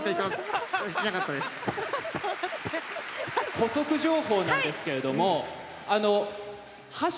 補足情報なんですけれどもそっか。